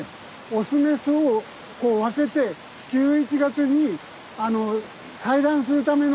オスメスをこう分けて１１月に採卵するための準備です。